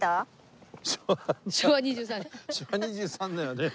昭和２３年はね